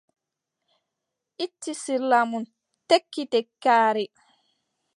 Itti sirla mum, tekki tekkaare.